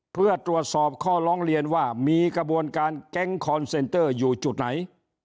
เพื่อตรวจสอบข้อร้องเรียนว่ามีกระบวนการแก๊งคอนเซนเตอร์อยู่จุดไหน